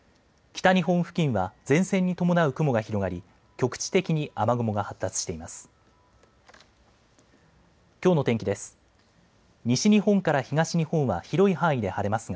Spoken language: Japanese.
北日本付近は前線に伴う雲が広がり局地的に雨雲が発達しています。